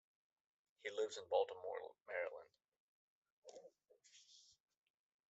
He lives in Baltimore, Maryland.